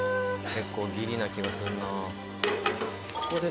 結構ギリな気がするな。